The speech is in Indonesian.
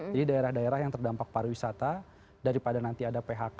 jadi daerah daerah yang terdampak pariwisata daripada nanti ada phk